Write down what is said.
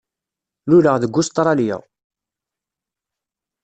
Luleɣ deg Ustṛalya.